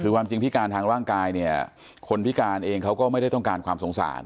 คือความจริงพิการทางร่างกายเนี่ยคนพิการเองเขาก็ไม่ได้ต้องการความสงสาร